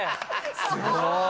すごい。